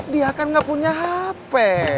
dia kan nggak punya hp